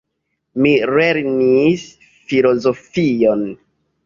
Mi lernis filozofion.